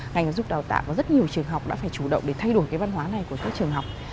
ngành giáo dục đào tạo và rất nhiều trường học đã phải chủ động để thay đổi cái văn hóa này của các trường học